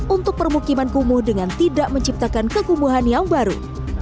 untuk permukiman kumuh dengan tidak menciptakan kekumuhan yang baru